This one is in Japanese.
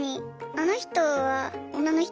「あの人は女の人？